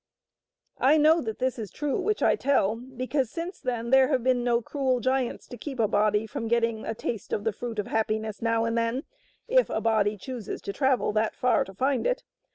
I know that this is true which I tell, because since then there have been no cruel giants to keep a body from getting a taste of the Fruit of Happiness now and then, if a body chooses to travel that far to find it.